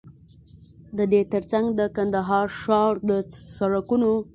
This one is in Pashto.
ددې تر څنګ د کندهار ښار د سړکونو